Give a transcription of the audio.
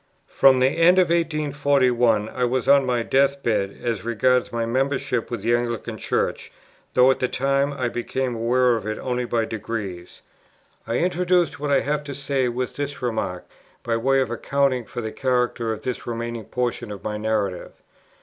From the end of 1841, I was on my death bed, as regards my membership with the Anglican Church, though at the time I became aware of it only by degrees. I introduce what I have to say with this remark, by way of accounting for the character of this remaining portion of my narrative.